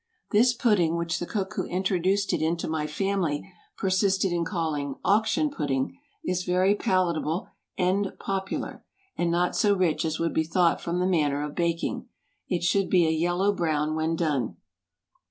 This pudding, which the cook who introduced it into my family persisted in calling "Auction pudding," is very palatable and popular, and not so rich as would be thought from the manner of baking. It should be a yellow brown when done.